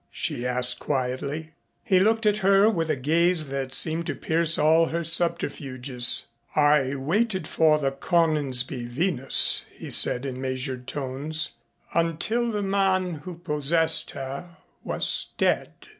she asked quietly. He looked at her with a gaze that seemed to pierce all her subterfuges. "I waited for the Coningsby Venus," he said in measured tones, "until the man who possessed her was dead."